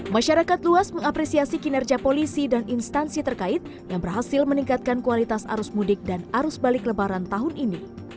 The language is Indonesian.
masyarakat luas mengapresiasi kinerja polisi dan instansi terkait yang berhasil meningkatkan kualitas arus mudik dan arus balik lebaran tahun ini